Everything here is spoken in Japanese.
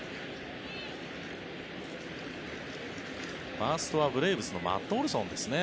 ファーストはブレーブスのマット・オルソンですね。